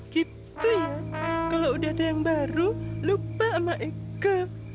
gitu ya kalau udah ada yang baru lupa sama eko